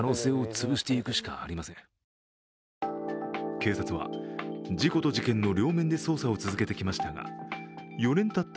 警察は事故と事件の両面で捜査を続けてきましたが、４年たった